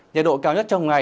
nhật độ cao nhất trong ngày